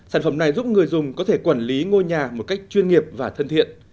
sản phẩm này giúp người dùng có thể quản lý ngôi nhà một cách chuyên nghiệp và thân thiện